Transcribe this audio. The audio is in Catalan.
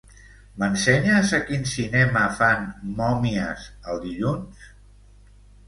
M'ensenyes a quin cinema fan "Mòmies" el dilluns?